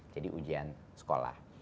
jadi ujian sekolah